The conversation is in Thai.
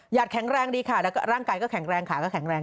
แข็งแรงดีค่ะแล้วก็ร่างกายก็แข็งแรงขาก็แข็งแรง